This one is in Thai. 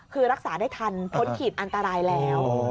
คือรักษาได้ทันพ้นขีดอันตรายแล้ว